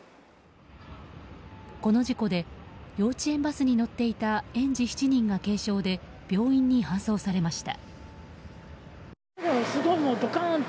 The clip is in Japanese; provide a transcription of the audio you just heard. この事故で幼稚園バスに乗っていた園児７人が軽傷で病院に搬送されました。